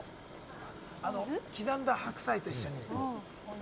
刻んだ白菜と一緒に。